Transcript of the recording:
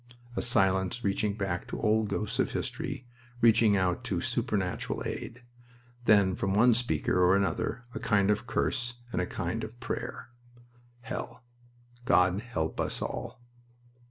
A silence reaching back to old ghosts of history, reaching out to supernatural aid. Then from one speaker or another a kind of curse and a kind of prayer. "Hell!... God help us all!"